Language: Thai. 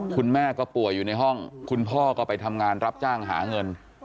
คุณแม่ก็ป่วยอยู่ในห้องคุณพ่อก็ไปทำงานรับจ้างหาเงิน